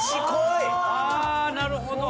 なるほど。